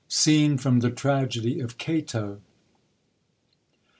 Scene from the Tragedy of Cato.